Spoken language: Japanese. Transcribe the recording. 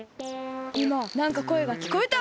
いまなんかこえがきこえた！